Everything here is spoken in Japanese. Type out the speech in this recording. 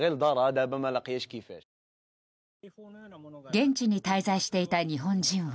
現地に滞在していた日本人は。